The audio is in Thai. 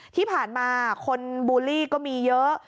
ที่ผ่านมาคนบูลลี่ก็มีเยอะ